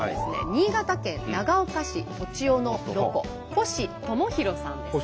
新潟県長岡市栃尾のロコ星知弘さんです。